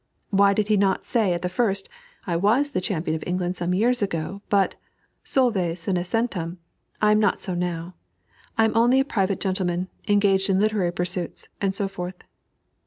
Why did he not say at the first, "I was the champion of England some years ago, but (solve senescentem) I am not so now; I am only a private gentleman, engaged in literary pursuits, and so forth."